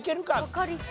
わかりそう。